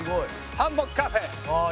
ハンモックカフェ。